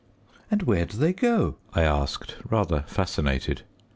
"And where do they go?" I asked, rather fascinated.